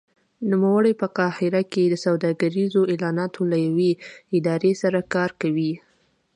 نوموړی په قاهره کې د سوداګریزو اعلاناتو له یوې ادارې سره کار کوي.